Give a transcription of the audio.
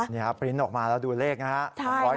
นี่ครับปริ้นต์ออกมาแล้วดูเลขนะครับ